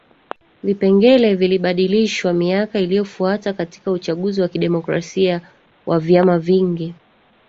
Vipengele vilibadilishwa miaka iliyofuata katika uchaguzi wa kidemokrasia wa vyama vingi